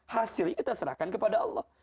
hasilnya kita serahkan kepada allah